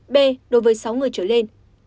b đối với sáu người trở lên